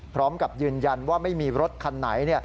พร้อมกับยืนยันว่าไม่มีรถคันไหน